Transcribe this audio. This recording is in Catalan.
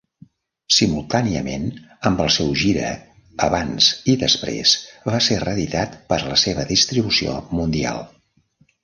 Simultàniament amb el seu gira, "Abans i Després" va ser reeditat per a la seva distribució mundial.